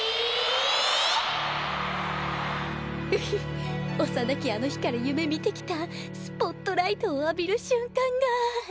ひっ幼きあの日から夢みてきたスポットライトを浴びる瞬間が。